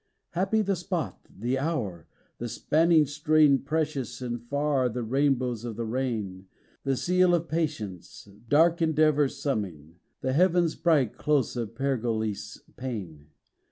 Happy the spot, the hour, the spanning strain Precious and far, the rainbow of the rain, The seal of patience, dark endeavor's summing, The heaven bright close of Pergolese's pain!